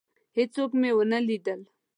هیڅوک مي ونه لید.